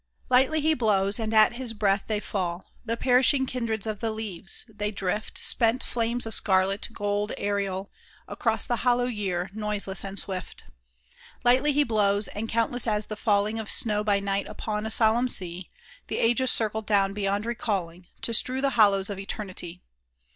"Lightly He blows, and at His breath they fall, The perishing kindreds of the leaves; they drift, Spent flames of scarlet, gold aerial, Across the hollow year, noiseless and swift. Lightly He blows, and countless as the falling Of snow by night upon a solemn sea, The ages circle down beyond recalling, To strew the hollows of Eternity.